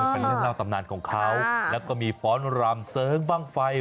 เป็นเรื่องเล่าตำนานของเขาแล้วก็มีฟ้อนรำเสริงบ้างไฟ